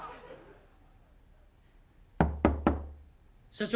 ・・社長。